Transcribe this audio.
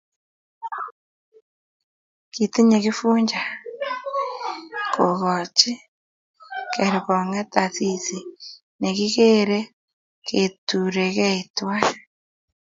Kitinyei Kifuja kokoch kergongyet Asisi ne kikerei koturekei tuwai